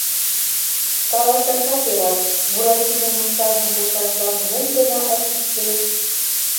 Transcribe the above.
Каласашат ӧрат, Буратинон умшажым почашлан мом гына ышт ыште.